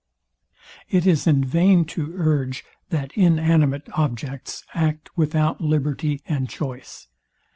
It is in vain to urge, that inanimate objects act without liberty and choice.